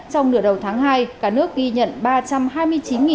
trong nửa đầu tháng hai cả nước ghi nhận